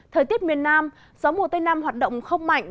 thời tiết miền nam gió mùa tây nam hoạt động không mạnh